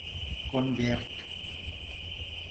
Конверт.